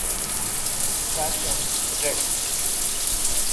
sak'en rek̃hk